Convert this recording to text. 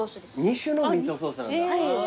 ２種のミートソースなんだ。